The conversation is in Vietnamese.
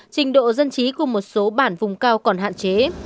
trình độ dân trí của một số bản vùng cao còn hạn chế